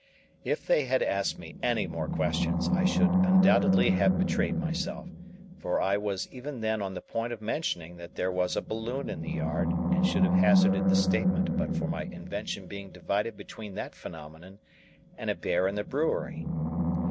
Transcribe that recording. If they had asked me any more questions, I should undoubtedly have betrayed myself, for I was even then on the point of mentioning that there was a balloon in the yard, and should have hazarded the statement but for my invention being divided between that phenomenon and a bear in the brewery.